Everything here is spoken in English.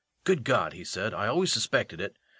"Good God," he said, "I always suspected it."